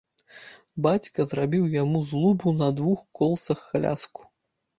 Бацька зрабіў яму з лубу на двух колцах каляску.